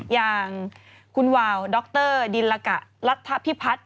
อย่างคุณวาวดรดิลกะรัฐพิพัฒน์